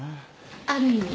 ある意味？